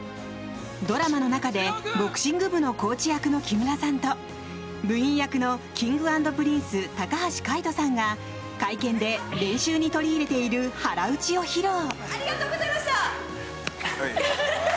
ドラマの中でボクシング部のコーチ役の木村さんと部員役のＫｉｎｇ＆Ｐｒｉｎｃｅ、高橋海人さんが会見で、練習に取り入れている腹打ちを披露！